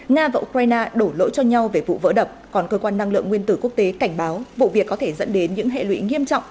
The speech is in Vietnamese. nga và ukraine đổ lỗi cho nhau về vụ vỡ đập còn cơ quan năng lượng nguyên tử quốc tế cảnh báo vụ việc có thể dẫn đến những hệ lụy nghiêm trọng